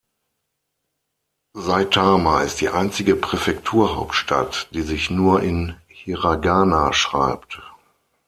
Saitama ist die einzige Präfekturhauptstadt, die sich nur in Hiragana schreibt.